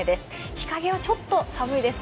日陰はちょっと寒いです。